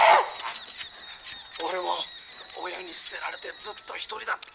「俺も親に捨てられてずっと一人だった。